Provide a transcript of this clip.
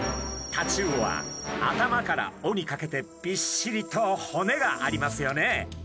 タチウオは頭から尾にかけてびっしりと骨がありますよね。